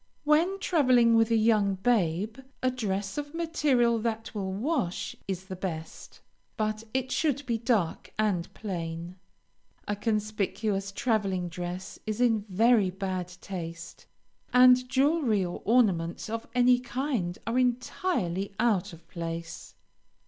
When traveling with a young babe, a dress of material that will wash is the best, but it should be dark and plain. A conspicuous traveling dress is in very bad taste, and jewelry or ornaments of any kind are entirely out of place.